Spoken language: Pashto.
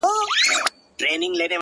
بيا نو منم چي په اختـر كي جــادو ـ